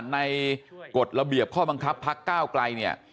ในกฎละเบียบข้อบังคับพัก้เก้าไกร